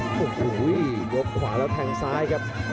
โอ้โหยกขวาแล้วแทงซ้ายครับ